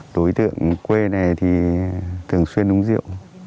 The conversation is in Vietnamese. đối tượng quê này thì thường xuyên uống rượu